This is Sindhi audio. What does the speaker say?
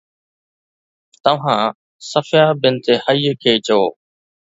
توهان صفيه بنت حي کي چيو